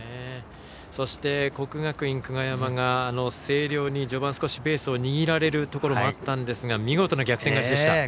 そして、国学院久我山が星稜に序盤少しペースを握られるところがあったんですが見事な逆転勝ちでした。